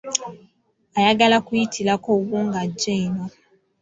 Ayagala kuyitirako wuwo ng'ajja eno.